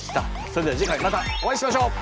それでは次回またお会いしましょう！